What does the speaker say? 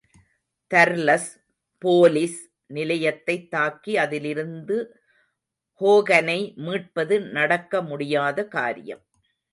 தர்லஸ் police நிலையத்தைத் தாக்கி அதிலிருந்து ஹோகனை மீட்பது நடக்க முடியாத காரியம்.